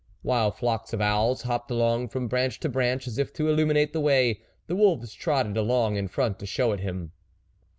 While flocks of owls hopped along from branch to branch, as if to illuminate the way, the wolves trotted along in front to show it him.